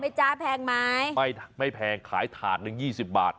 แพงไหมจ๊ะแพงไหมไม่แพงขายถาดนึง๒๐บาท